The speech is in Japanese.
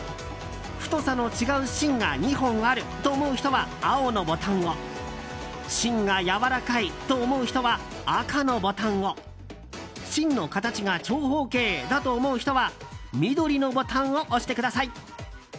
太さが違う芯が２本あると思う人は青のボタンを芯がやわらかいと思う人は赤のボタンを芯の形が長方形だと思う人は緑のボタンを押してください。